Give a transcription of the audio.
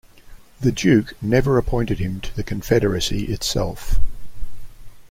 The Duke never appointed him to the Confederacy itself.